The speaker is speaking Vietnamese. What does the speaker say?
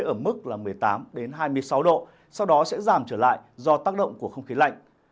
ở mức một mươi tám hai mươi sáu độ sau đó sẽ giảm trở lại do tác động của không khí lạnh